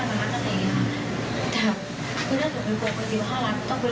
และก็จะเป็นเหตุผลที่จะเป็นผลของนางสาว